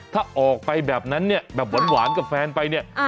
ถ้าออกไปแบบนั้นเนี่ยแบบหวานกับแฟนไปเนี่ย